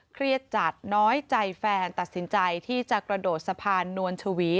เครียดจัดน้อยใจแฟนตัดสินใจที่จะกระโดดสะพานนวลชวี